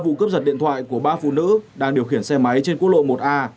vụ cướp giật điện thoại của ba phụ nữ đang điều khiển xe máy trên quốc lộ một a